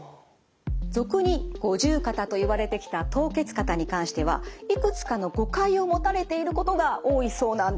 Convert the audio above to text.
俗に五十肩といわれてきた凍結肩に関してはいくつかの誤解を持たれていることが多いそうなんです。